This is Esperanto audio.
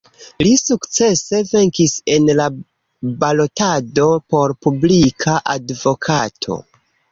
Li sukcese venkis en la balotado por Publika Advokato.